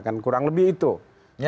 kan kurang lebih itu